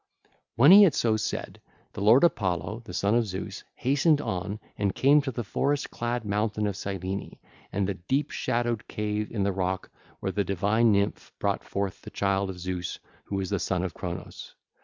(ll. 227 234) When he had so said, the lord Apollo, the Son of Zeus hastened on and came to the forest clad mountain of Cyllene and the deep shadowed cave in the rock where the divine nymph brought forth the child of Zeus who is the son of Cronos.